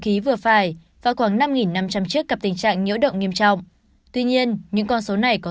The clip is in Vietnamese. khí và khoảng năm năm trăm linh chiếc gặp tình trạng nhỡ động nghiêm trọng tuy nhiên những con số này có